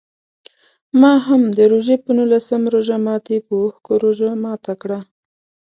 ما هم د روژې په نولسم روژه ماتي په اوښکو روژه ماته کړه.